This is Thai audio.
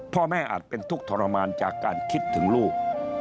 อาจเป็นทุกข์ทรมานจากการคิดถึงลูก